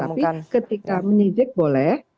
tetapi ketika menyidik boleh